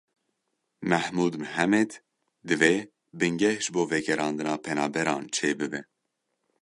Mehmûd Mihemed divê bingeh ji bo vegerandina penaberan çêbibe.